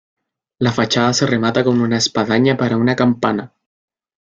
La fachada se remata con una espadaña para una campana.